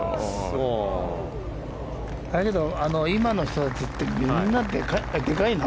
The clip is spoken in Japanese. だけど今の人たちってみんなでかいよな。